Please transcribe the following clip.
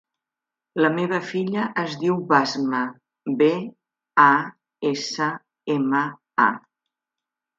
La meva filla es diu Basma: be, a, essa, ema, a.